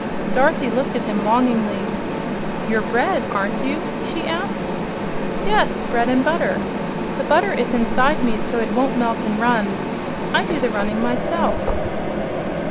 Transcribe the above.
Dorothy looked at him longingly. "You're bread, aren't you?" she asked. "Yes; bread and butter. The butter is inside me, so it won't melt and run. I do the running myself."